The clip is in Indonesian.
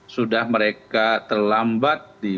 sudah mereka terlambat di